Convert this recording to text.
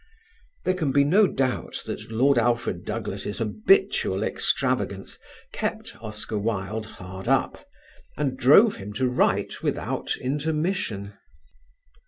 There can be no doubt that Lord Alfred Douglas' habitual extravagance kept Oscar Wilde hard up, and drove him to write without intermission.